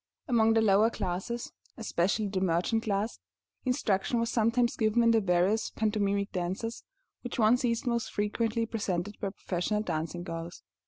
Among the lower classes, especially the merchant class, instruction was sometimes given in the various pantomimic dances which one sees most frequently presented by professional dancing girls.